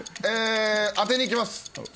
当てに行きます。